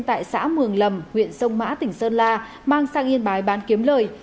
tại xã mường lầm huyện sông mã tỉnh sơn la mang sang yên bái bán kiếm lời